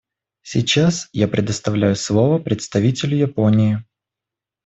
Сейчас я предоставляю слово представителю Японии.